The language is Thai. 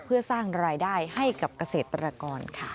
เพื่อสร้างรายได้ให้กับเกษตรกรค่ะ